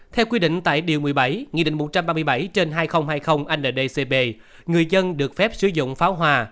theo quy định tại điều một mươi bảy nghị định một trăm ba mươi bảy trên hai nghìn hai mươi ndcp người dân được phép sử dụng pháo hoa